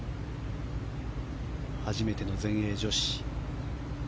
初めての全英女子。